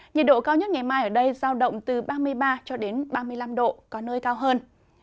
nhiệt độ cao nhất ngày mai ở đây giao động từ ba mươi ba cho đến ba mươi năm độ có nơi cao hơn